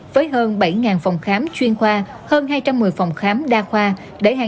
với hơn bảy phòng khám chuyên khoa hơn hai trăm một mươi phòng khám đa khoa